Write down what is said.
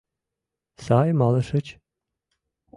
Сай малышыч?